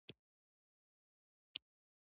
د ژړا دیوال یوه ټوټه تیږه راته راوړه.